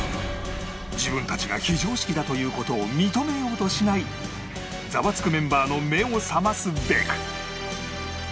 自分たちが非常識だという事を認めようとしない『ザワつく！』メンバーの目を覚ますべく